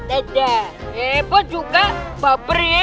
dada hebat juga bapernya